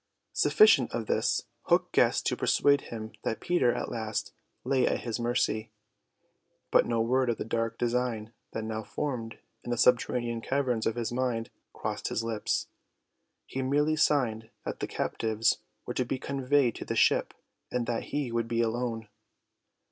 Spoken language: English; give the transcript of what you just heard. Sufficient of this Hook guessed to persuade him that Peter at last lay at his mercy, but no word of the dark design that now formed in the subterranean caverns of his mind crossed his lips; he merely signed that the captives were to be conveyed to the ship, and that he would be alone.